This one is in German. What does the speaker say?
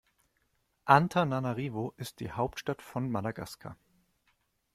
Antananarivo ist die Hauptstadt von Madagaskar.